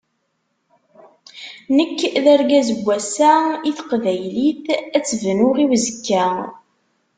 Nekk d argaz n wass-a, i teqbaylit ad tt-bnuɣ i uzekka.